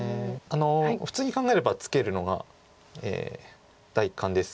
普通に考えればツケるのが第一感です。